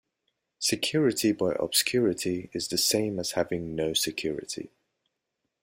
Security by obscurity is the same as having no security.